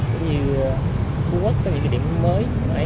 cũng như khu quốc có những điểm mới